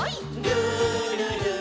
「るるる」